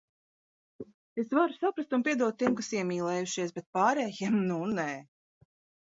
Es varu saprast un piedot tiem, kas iemīlējušies, bet pārējiem- nu, nē.